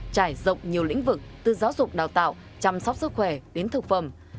trải rộng nhiều lĩnh vực từ giáo dục đào tạo chăm sóc sức khỏe đến thực phẩm